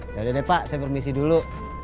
yaudah deh pak saya permisi dulu